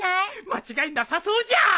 間違いなさそうじゃ！